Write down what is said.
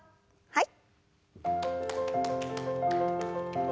はい。